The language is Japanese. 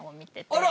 あら！